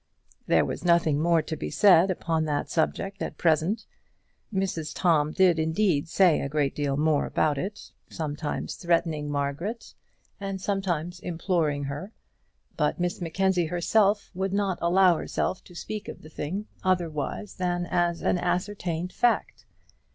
There was nothing more to be said upon that subject at present. Mrs Tom did indeed say a great deal more about it, sometimes threatening Margaret, and sometimes imploring her; but Miss Mackenzie herself would not allow herself to speak of the thing otherwise than as an ascertained fact.